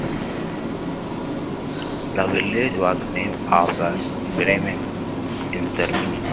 The village was named after Bremen, in Germany.